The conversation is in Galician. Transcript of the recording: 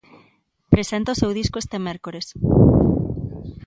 Presenta o seu disco este mércores.